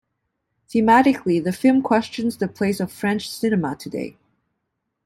Thematically, the film questions the place of French cinema today.